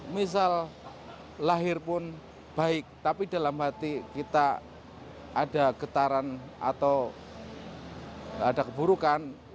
misal lahir pun baik tapi dalam hati kita ada getaran atau ada keburukan